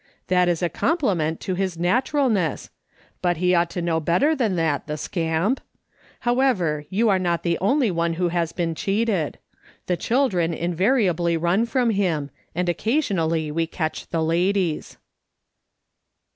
" That is a compliment to his naturalness ; but he ought to know better than that, the scamp ! However, you are not the only one who has been cheated. The children invariably run from him, and occasionally we catch the ladies."